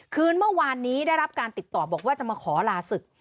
คืนเมื่อวานนี้ได้รับการติดต่อบอกว่าจะมาขอลาศึก